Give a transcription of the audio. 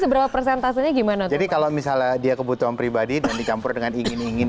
seberapa persentasenya gimana jadi kalau misalnya dia kebutuhan pribadi dan dicampur dengan ingin ingin